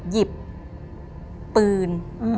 หยิบปืน